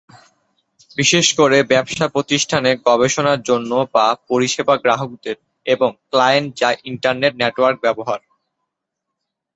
বিশেষ করে ব্যবসা-প্রতিষ্ঠান গবেষণার জন্য বা পরিষেবা গ্রাহকদের এবং ক্লায়েন্ট যা ইন্টারনেট নেটওয়ার্ক ব্যবহার।